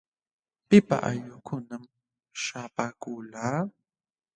¿Pipa aylllunkunam śhapaakulqa?